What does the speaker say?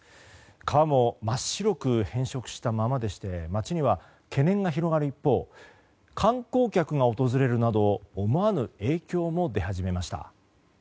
川も真っ白く変色したままでして町には懸念が広がる一方観光客が訪れるなど思わぬ影響も出始めました。